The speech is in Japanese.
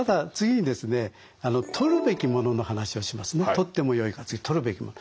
「とってもよい」から次「とるべきもの」。